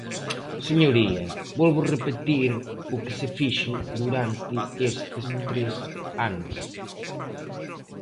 Señoría, volvo repetir o que se fixo durante estes tres anos.